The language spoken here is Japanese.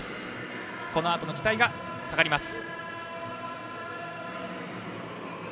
このあとも期待がかかります。